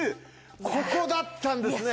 ここだったんですね。